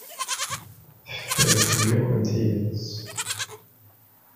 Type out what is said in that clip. Teffer fell-akent tidet.